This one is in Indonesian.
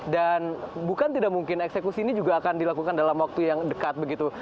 dan bukan tidak mungkin eksekusi ini juga akan dilakukan dalam waktu yang dekat begitu